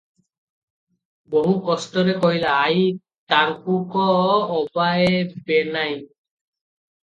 ବହୁତ କଷ୍ଟରେ କହିଲା, "ଆଈ-ତା-ଙ୍କୁ-କ-ଅ- ବା-ଏ-ବେ-ନା-ଇଁ ।"